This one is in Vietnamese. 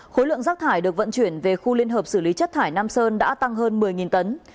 khối lượng rác thải được vận chuyển về khu liên hợp xử lý chất thải nam sơn đã tăng hơn một mươi tấn